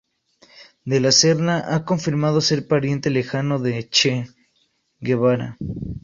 De la Serna ha confirmado ser pariente lejano del "Che" Guevara.